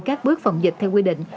các bước phòng dịch theo quy định